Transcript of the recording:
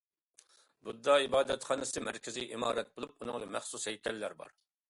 بۇددا ئىبادەتخانىسى مەركىزىي ئىمارەت بولۇپ، ئۇنىڭدا مەخسۇس ھەيكەللەر بار.